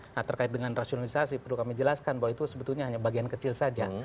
nah terkait dengan rasionalisasi perlu kami jelaskan bahwa itu sebetulnya hanya bagian kecil saja